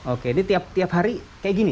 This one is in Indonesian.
oke ini tiap hari kayak gini